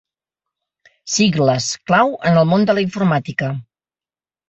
Sigles clau en el món de la informàtica.